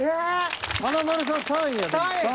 華丸さん３位やでも。